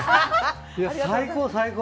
最高、最高。